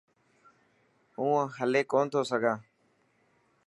هون هلي ڪون ٿو سگھان.